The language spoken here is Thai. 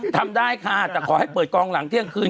ทำได้ค่ะแต่ขอให้เปิดกองหลังเที่ยงคืน